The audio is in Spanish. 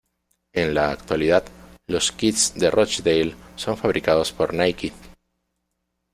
En la actualidad los kits de Rochdale son fabricados por Nike.